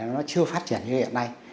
nó chưa phát triển như hiện nay